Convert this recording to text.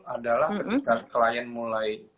adalah ketika klien mulai